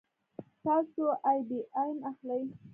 تاسو آی بي ایم اخلئ